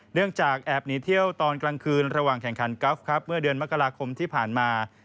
เนื่องจากแอบหนีเที่ยวตอนกลางคืนระหว่างแข่งขันกราฟครับเมื่อเดือนมกราคมที่ผ่านมา